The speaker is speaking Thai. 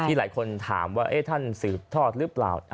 หลายคนถามว่าท่านสืบทอดหรือเปล่า